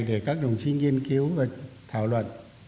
để các đồng chí nghiên cứu và thảo luận